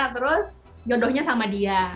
terus jodohnya sama dia